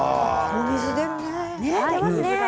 お水、出るね。